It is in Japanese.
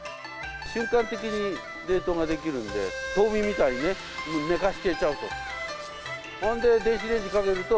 瞬間的に冷凍ができるんで、凍眠みたいに寝かしつけちゃうと。